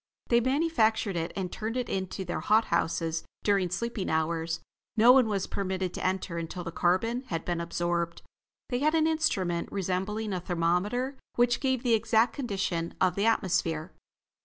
They manufactured it and turned it into their hot houses during sleeping hours. No one was permitted to enter until the carbon had been absorbed. They had an instrument resembling a thermometer which gave the exact condition of the atmosphere.